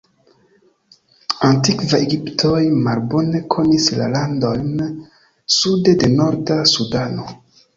Antikvaj Egiptoj malbone konis la landojn sude de norda Sudano.